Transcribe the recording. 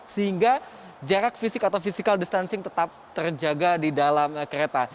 sehingga jarak fisik atau physical distancing tetap terjaga di dalam kereta